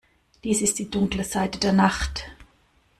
Dies ist die dunkle Seite der Nacht.